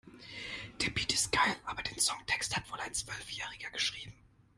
Der Beat ist geil, aber den Songtext hat wohl ein Zwölfjähriger geschrieben.